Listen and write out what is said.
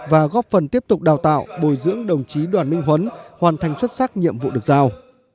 và góp phần tiếp tục đào tạo bồi dưỡng đồng chí đoàn minh huấn hoàn thành xuất sắc nhiệm vụ được giao